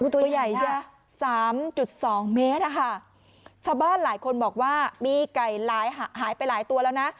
ตัวใหญ่ใช่๓๒เมตรชะบ้านหลายคนบอกว่ามีไก่หายไปหลายตัวแล้วนะ